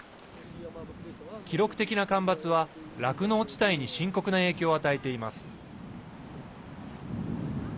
記録的な干ばつは酪農地帯に深刻な影響を与えています。